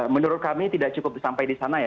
menurut kami tidak cukup sampai disana ya